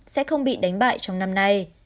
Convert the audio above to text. sẽ không bị đánh bại trong năm nay